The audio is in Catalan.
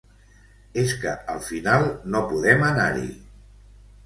Es que al final no podem anar-hi.